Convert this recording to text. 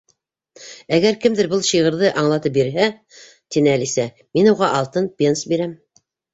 —Әгәр кемдер был шиғырҙы аңлатып бирһә, —тине Әлисә, —мин уға алты пенс бирәм.